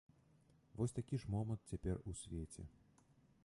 Вось такі ж момант цяпер у свеце.